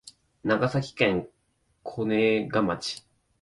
長崎県小値賀町